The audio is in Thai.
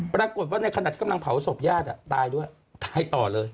ปรากฏว่าในขณะที่กำลังเผาศพญาติตายด้วยตายต่อเลย